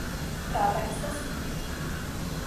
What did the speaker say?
Prava estas Li!